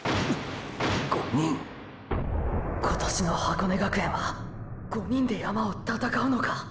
５人今年の箱根学園は５人で山を闘うのか！！